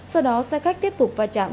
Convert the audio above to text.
sau đó xe khách tiếp tục va chạm